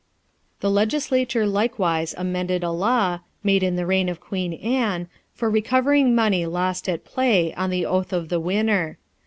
The legislature likewise amended a law, made in the reign of Queen Anne, for recovering money lost at play, on the oath of the winner.